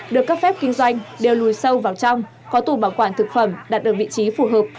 được cấp phép kinh doanh đều lùi sâu vào trong có tủ bảo quản thực phẩm đặt ở vị trí phù hợp